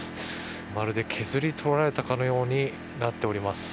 まるで削り取られたかのようになっております。